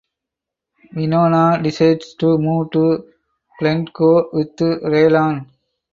Winona decides to move to Glynco with Raylan.